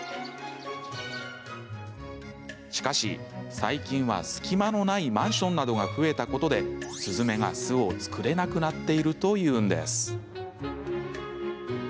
しかし最近は、隙間のないマンションなどが増えたことでスズメが巣を作れなくなっているというんです。